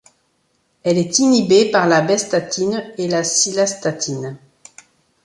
Elle est inhibée par la bestatine et la cilastatine.